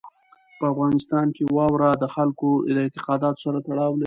په افغانستان کې واوره د خلکو د اعتقاداتو سره تړاو لري.